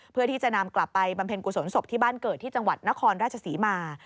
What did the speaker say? เพื่อที่จะนำกลับไปบำเพ็ญกุศลศพที่บ้านเกิดที่จังหวัดนครราชศรีมา